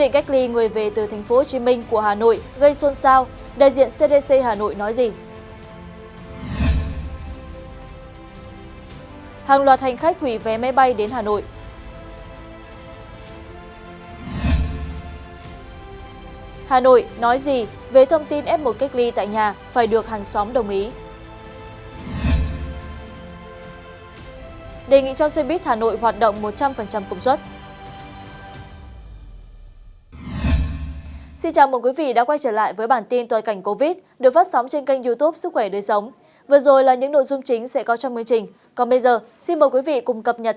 các bạn hãy đăng ký kênh để ủng hộ kênh của chúng mình nhé